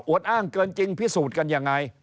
อ้างเกินจริงพิสูจน์กันยังไง